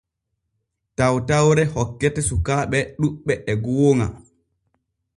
Tatawre hokkete sukaaɓe ɗuuɓɓe e gooŋa.